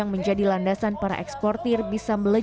kemudian kembali ke jalanan